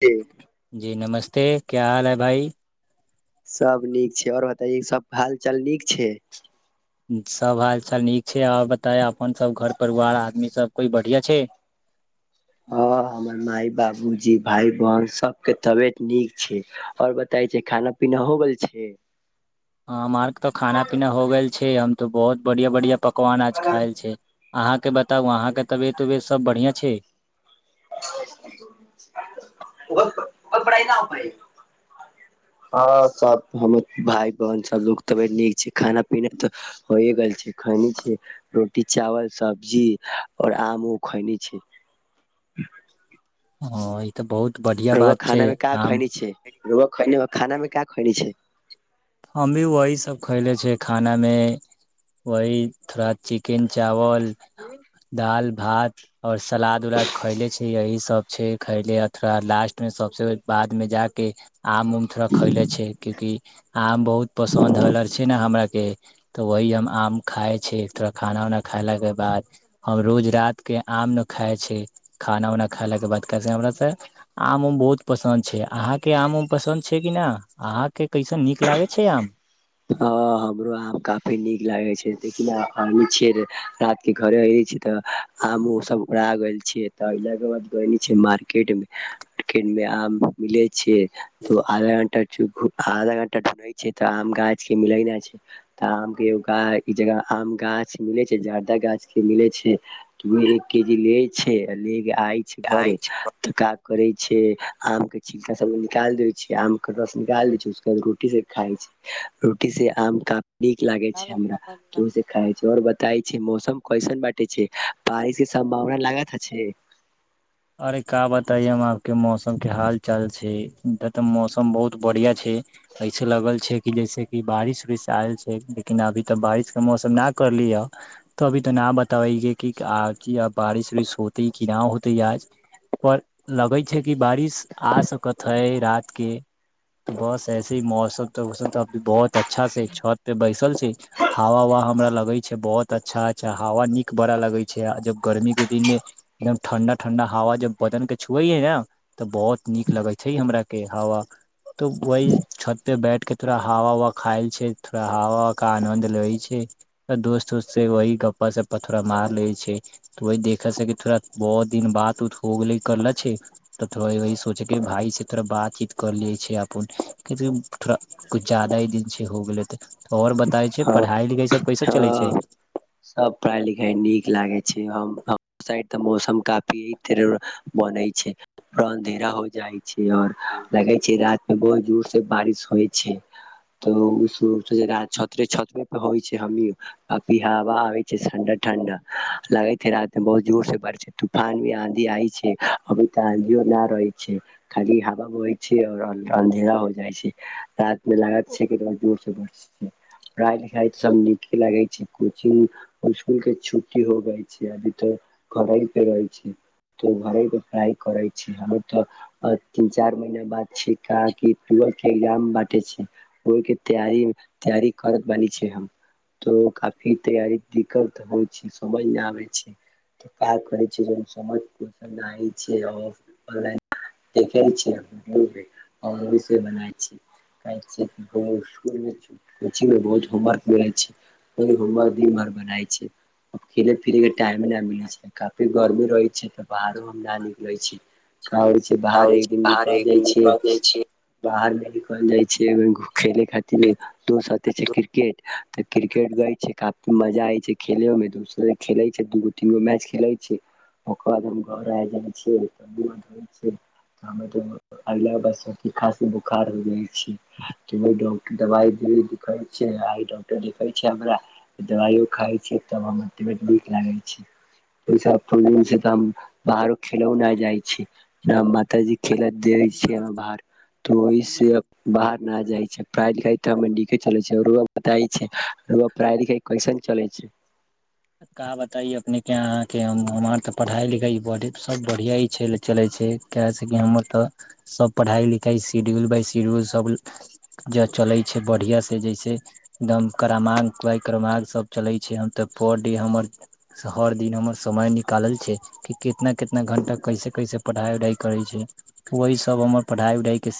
के? जी नमस्ते, क्या हाल है भाई? सब नीक छै और बताइए सबके हालचाल नीक छै? सब हाल चाल नीक छै आर बताएं अपन सब घर परिवार आदमी सब कोई बढ़ियां छै? हँ हमर माय बाबूजी भाइ बहन सबके तबियत नीक छै। आओर बताइ जे खाना पीना हो गेल छै? ह हमार त खाना पीना हो गेल छै हम तो बहुत बढ़ियां-बढ़ियां पकवान आज हँ खायल छै। अहाँके बताउ, अहाँके तबियत उबियत सब बढ़िआं छै? [unintelligible] हँ सब हमर भाइ बहन सब लोक तबियत नीक छै। खाना पीना त होए गेल छै। खैनी छीयै रोटी चावल सब्जी और आमो खैने छियै। अ ई त बहुत बढ़ि रौआ खाना में का खैनै छिअइ? रौआ खैनीमे खाना में का खैनै छिअइ? हम भी वही सब खयले छिअइ खानामें। वही थोड़ा चिकेन चावल [inaudible] दाल भात। और सलाद उलाद खैले छिअइ। यही सब छै खैले और थोड़ा लास्ट में सबसे बाद में जाके आम उम थोड़ा खैले छिअइ क्यूंकि आम बहुत पसन्द हौलर छिअइ ने हमरा के। त वही हम आम खाइ छिअइ, थोड़ा खाना उना खैलाके बाद। हम रोज रात के आम न खाइ छी खाना उना खैलाके बाद काहे से हमरा फेर आम उम बहुत पसन्द छै। अहाँ के आम उम पसन्द छै कि ना, अहाँ के कैसन नीक लागै छै आम। हँ हमरो आम काफी नीक लागै छै लेकिन आबै छियै रात के घरे अए छी त आम ओ सब उड़ा गेल छियै त अयलाके बाद गरमी छै मार्केट में किनबै आम। मिलै छीयै। तब आधा घंटा चुपू, आधा घंटा ढूढ़ै छीयै त आम गा [unintelligible] से मिलै ना छै। त आम केओ गा, ई जगह आम गाछ मिलै छै। जादा गाछके मिलै छै। [unintelligible] हम एक केजी लै छै आ ले के आय छै घरे त का करै छै आम के छी [unintelligible] चा सबके निकालि दै छियै आम के रस निकाल दै छिअइ, उसके बाद रोटी से खाइ छी। रोटी संगे आम काफी नीक लागे छै हमरा आम ओसे खाइ छै और बताइ छै, मौसम कैसन बाटे छै बारिश के सम्भावना लागत आछे। अरे का बताइ हम आप के मौसम के हाल चाल छै। एत त मौसम बहुत बढ़ियां छै। ऐसे लगल छै कि जैसे कि बारिश उरिश आयल छै लेकिन अभी त बारिशके मौसम न करली ह। तभी त ना बताबै छै कि आज बारिश उरिश होतै कि ना होतै आज। पर लगै छै कि बारिश आ सकत है रात के। बस ऐसे मौसम, मौसम अभी बहुत अच्छा से छत पे बैसल छै। हवा ववा हमरा लगै छै बहुत। अच्छा-अच्छा हवा नीक बड़ा लगे छै आ जब गर्मी के दिन मे एकदम ठंडा ठंडा हवा जब बदन के छुवै ह ने तऽ बहुत नीक लगै छै हमरा के हवा। तो वही छत पे बैठ के थोड़ा हवा उवा खाइ छै, थोड़ा हवा ववा का आनन्द लै छै। दोस्त उस्त से वही गप्पा सप्पा थोड़ा मार ले छै। तऽ वही देखै छै कि थोड़ा बहुत दिन बात उत हो गेले करले छै। तऽ थोड़ा वही सोचेके भाय से थोड़ा बातचीत कर ले छै अपुन। थोड़ा किछु ज्यादा ही दिन छै हो गेलै, तऽ आओर बताय छै ह पढ़ाइ लिखाइ सभ कैसा चलै छै। सभ पढ़ाई लिखाई नीक लागै छै हम। साइड तऽ मौसम काफी बने छै पुरा अन्धेरा हो जाय छै आओर लगै छै रात बहुत जोर से बारिश होइ छै तऽ लोग सोचै छै रात छतरे छते परे होइ छै हमी। अभी हवा आबै छै ठंडा ठण्डा, लगै छैे रात मे बहुत जोर से बारिश तूफान भी आँधी आइ छै अभी तऽ आँधीयो न रहै छै। खाली हवा बहै छै आओर हल्का अन्धेरा हो जाइ छै। रातमे लागत छै कि बहोत जोर सँ बरशे। पढ़ाइ लिखाइ सब नीके लागै छै कोचिंग स्कुल के छुट्टी हो गइल छै, अभी तऽ घड़हे पे रहै छै। तो घरेके पढ़ाइ करै छी हमे तऽ। आ तीन चार महिना बाद छै क कि टुवेल्थ के ए्जाम बाटे छै। ओहिके तैयारी तैयारी करत बानी छै हम। तऽ काफी तैयारी दिक्कत होइ छै, समझ नहि आबै छै। त का करै छै जब समझ मे ना आइ छै और देखे छै मूवी आओर अइ से बनाए छी। कैल से तँ फेर स्कूले छै। कोचिंग में बहुते होमवर्क मिलै छै वही होमवर्क दिनभर बनाय छै। खेले फिरे के टाइम न मिले छै काफी। गर्मी रहे छै तऽ बाहरो हम न निकले छी, कहै छी। बाहर आबै एक छै दिन नई बाहर एक जाइ दिन छियै। निकल जाइ बाहरमे भ कोन जाइ छियै खेलै खातिर। दोसे छै क्रिकेट तऽ क्रिकेट गये छै काफी मजा आय छै खेलयो में दोस खेले छै दूगो। दुगो मैच खेलै छियै ओकर बाद हम घर आबि जाइ छियै। हमरा त अगला बेर स बेसी खाॅंसी बोखार हो जाइ छै तऽ डाक्टर दबाइ देह दुखाई छै आइ डाक्टर देखै छै हमरा। दबाइयो खाइ छियै तब हमर तबियत नीक लागै छै। बाहर खेलो नहि जाइ छियै, माताजी खेलऽ नै दै छै बाहर। तऽ ओहि से बाहर नै जाइ छियै पढ़ाइ लिखाइ छियै ठीके चलै छै बताइ पढ़ाई लिखाई कैसन चलै छै। का बताइ अपने के अहाँके हमर तऽ पढ़ाइ लिखाइ सब बढ़िआँए छै चलै छै। किया छै कि हमर तऽ सब पढ़ाइ लिखाइ शिड्यूल बाइ शिड्यूल सब जे चलै छै बढ़िआँ सँ जे से एकदम क्रमांक वाइ क्रमांक सब चलै छै हम तऽ पढि हमर हर दिन हमर समय निकालल छै। कि कितना -कितना घंटा कैसे -कैसे पढ़ाइ -उढ़ाई करै छी? ओही सब हमर पढ़ाई उढ़ाई के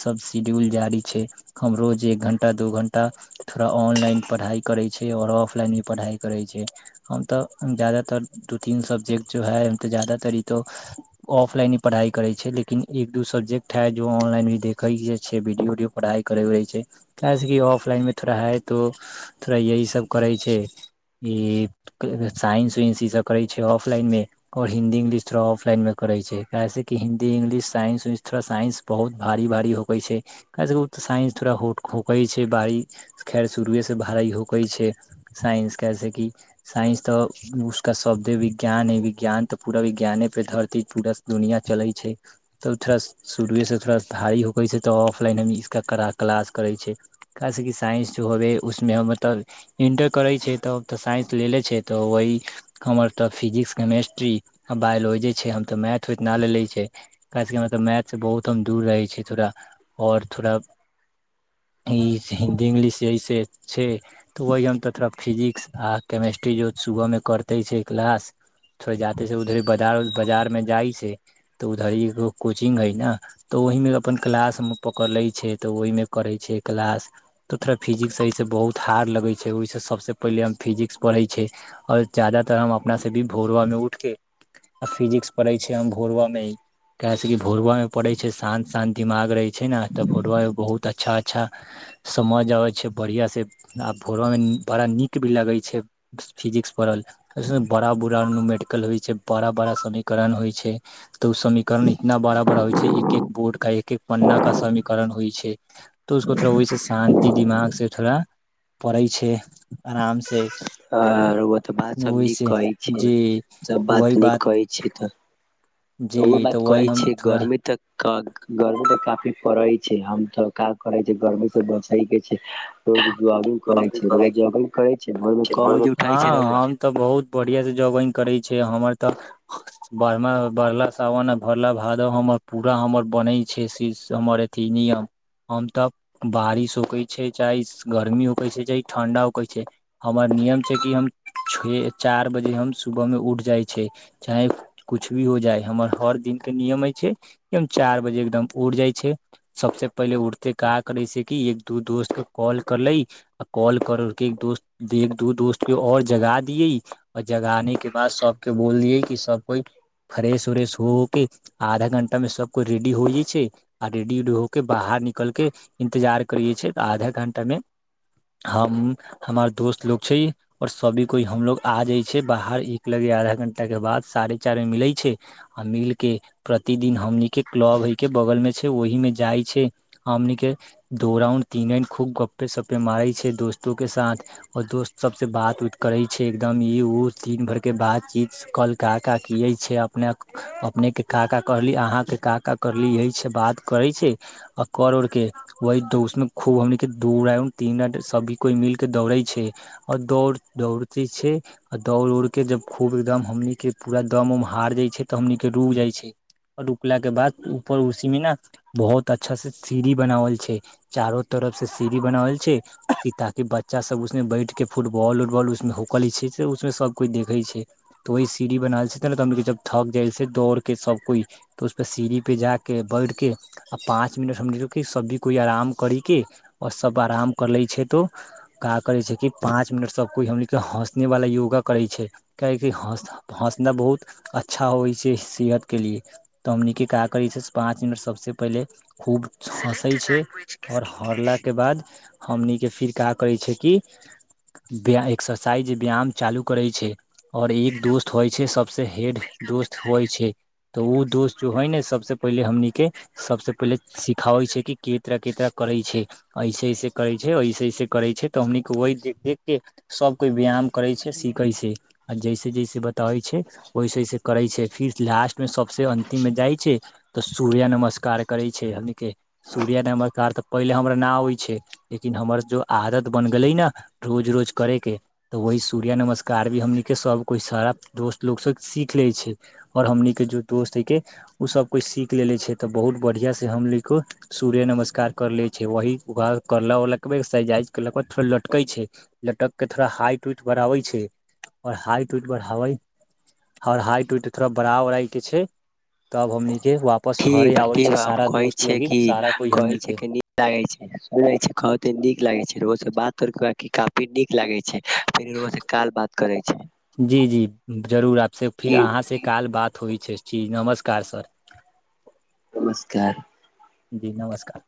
सब शिड्यूल जारी छै। हम रोज एक घंटा दू घंटा थोड़ा ऑनलाइन पढ़ाई करै छी और ऑफलाइन भी पढ़ाई- करै छी हम तऽ ज्यदातर दू तीन सब्जेक्ट जो है तऽ जादातर ई तो। ऑफलाइ ही पढ़ाई करै छी लेकिन एक दू सब्जेक्ट हँ जो ऑनलाइन भी देखै के छै वीडियो उडियो पढ़ाई। करबै छै कियाकि ऑफलाइन मे थोड़ा है तो थोड़ा यही सब करै छै। ई साइंस उइंस ई सब करै छै ऑफलाइन में- और हिन्दी इंग्लिश थोड़े ऑफलाइन मे करै छैै ताहिसे की हिन्दी इंगलिश साइन्स उइंस थोड़ा साइंस। बहुत भारी भारी होकै छै कहेकी साइंस थोड़े होखै छै भारी। खैर शुरुए से भाड़ी होकै छै साइंस कैसेकी। साइंस तऽ उसका शब्दे विज्ञान ऐ विज्ञान तऽ पूरा विज्ञाने पे धरती पूरा। दुनिया चलै छै। तब थोड़े शुरूएसँ थोड़े भारी होकै छै तऽ ऑफलाइन हम एकर क्लास करै छै। खास की साइंस जो होवे उसमे मतलब इंटर करै छै। तऽ साइंस लेले छैय तऽ वही। हमर तऽ फिजिक्स केमेस्ट्री आ बायोलॉजी छै हम तऽ मैथ उथ ना लेले छियै। काहेस की तऽ हमरा मैथ बहुत हम दूर रहै छी थोड़ा और थोड़ा। की हिन्दी इंग्लिश से छै तऽ ओ हम तऽ थोड़े फिजिक- आ केमेस्ट्री जे सुबह मे करतै छै क्लास। थोड़े जहि से उधरेए बाजार-बजार मे जाइ छै तऽ उधरेए एगो कोचिंग अइ न। तऽ ओहीमे अपन क्लास पकलै छै तऽ ओहिमे करै छै क्लास। तऽ थोरे फिजिक्स एय से बहुत हार्ड लगै छै ओयसँ सब से पहिले हम फिजिक्स पढ़ै छै और ज्यादातर हम अपने सँ भी भोरबामे उठके- आ फिजिक्स पढ़ै छी हम भोरबा मे ई- काहेसे की भोरबामे परहै छी शान्त शान्त दिमाग रहै छै ने तऽ भोरबामे बहुत अच्छा अच्छा। समझ आबै छै बढ़िआँ से आ भोरोमे बड़ा नीक भी लगै छै। फिजिक्स पढ़ल अइ से बड़ा- बड़ा नमेड़िकल होय छै बड़ा -बड़ा समीकरण होय छै। तऽ ओ समीकरण इतना बड़ा -बड़ा होय छै एक एक बोर्ड के एक- एक पन्ना के समीकरण होय छै। तो उसको थोड़ा ओहिसँ शान्ति दिमाग से थोड़े पढ़ै छै। आराम से- आ ओर तऽ बात सब नीक ओहिसँ कहै छै जी सब बात नीक कहै - छैय तऽ जी ओ बात तऽ वही कहै हम छै तऽ थोड़ा गरमी तक कहक- गरमी तऽ काफी पड़ै छै हम तऽ का करै छी गरमी से बचै के छै। रोज जॉगिंग करै बाबू छै कहै रोज जॉगिंग- छै भोर मे क बजे [unintelligible] उठै छै हँ रउआ हम तऽ बहुत बढ़िआँ सँ जॉगिंग करै छै हमर तऽ बढ़ बढ़ला सावन आ भरला भादव हमर पूरा हमर बनै छै से हमर अथी नियम। हम तऽ बारिश होखै छै चाहे गरमी होखै छै चाहे ठण्डा होखै छै। हमर नियम छै कि हम छे चार बजे हम सुबह मे उठ जाइ छै। चाहे कुछ भी हो जाय हमर हर दिनक के नियमे छैय। [unintelligible] चार बजे एकदम उठ जाय छै। सबस पहिले उठते का करै छैय कि एक दू दोस्त के कॉल- करले आ कॉल कर के एक दोस्त दू दोस्त के और जगा दियेै। आ जगा ने के बाद सबके बोल दियै कि सब कोय फ्रेश उरेश हो के- आधा घण्टा में सब कोय रेडी होइ छैय। आ रेडी -उडी हो के बाहर निकल के इंतजार करिये छै तऽ आधा घंटा में- हम हमर दोस्त लोग छैय। और सबी कोय हमलोग आ जाय छैय बाहर एक लगे आधा घण्टा के बाद साढ़े चार मे मिलै छैय। आ मिल के प्रतिदिन हमनीके क्लब हैय के बगल में छै ओहि मे जाय छैय। हमनी के दो राउंड तीन राउंड खूब गप्पे सप्पे मारै छै दोस्तो के साथ। और दोस्त सब से बात उत करे छै एकदम ई उ दिन भर के बातचीत कल काका की यै छै अपने अपने के काका कहली आहाँ के काका कहली यही छै बात करै छै आ कर उरके वही दोस खूब हमनी के दू रांउड तीन रांउड सभी कोय मिलके दौड़ै छै और दौड़ दौड़ते छैय आ दौड़ उड़ कऽ जब खूब एकदम हमनीके पूरा दम उम हार जाय छै तऽ हमनीके रुक जाय छैय। आ रुकला के बाद ऊपर उसी मे न बहुत अच्छा से सीढ़ी बनावल छै चारो तरफ से सीढ़ी बनावल छैय। ताकि बच्चा सब उस मे बैठ के फुटबॉल- उटबॉल उस मे होकल छै उस मे सब कोय देखै छैय। त वही सीढ़ी बनावल छै त जब थक जाय छै दौड़ के सब कोय तऽ उस पे सीढ़ी पे जाके बैठ के। आ पाँच मिनट हमनी रूक के सब भी कोइ आराम करि केऽ और सब आराम कर लै छैय तो का करै छै कि पाँच मिनट सब कोय हमनी के हँसने वाला योगा करै छै काहे कि हँस हँसना बहुत अच्छा होय छै सेहत के लिए। तऽ हमनी के का करैऽ छै से पाँच मिनट सब से पहिले खूब हँसै छैय और हरला के बाद हमनी के फिर का करै छै कि बिय एक्सरसाइज ब्याम चालू करै छैय। और एक दोस्त होय छैय सब से हेड दोस्त होय छैय। तऽ ओ दोस्त जो है नेै सब से पहिले हमनी के सब से पहिले सिखाबै छै कि के तरह के तरह करै छैय। ऐसे -ऐसे करै छै ऐसे- ऐसे करै छै तऽ हमनि के वही देख- देख के सब कोय व्याम करै छै सीखै छैय। आ जैसे जैसे बताबै छै वैसे वैसे करै छै फिर लास्ट सब स अन्तिम मे जाय छै तऽ सूर्या नमस्कार करै छैय हमनी के। सूर्या नमस्कार तऽ पहिले हमरा ना होय छै लेकिन हमर जो आदत बन गेलै ने रोज- रोज करैके तऽ वही सूर्या नमस्कार भी हमनी के सब कोय सारा दोस्त लोको सँ सीख लै छैय। और हमनी के जो दोस्त है के ओ सब कोय सीख लेले छै तऽ बहुत बढ़ियां से हम ली को सूर्य नमस्कार कर लेै वही उा करला उला के साजाइज करल के थोड़ा लटकै छैय। लटक के थोड़ा हाइट वाइट बढ़ाबै छैय और हाइट उट बढ़ाबै और हाइट उइट थोड़ा बड़ा उड़ाई के छैय। तब हमनी के वापस ठीक घरे बा आबे ठीक छैय बा हम सारा दोस्त लोगिन सारा कोय हमनी के। लागेै छै सुने छै कहते नीक लागे छैय रोज बात और कऽ के काफी नीक लागेै छैय। जी जी जरूर आप सँ फिर की आहाँ से काल बात होय छैय ची नमस्कार सर। नमस्कार। जी नमस्कार।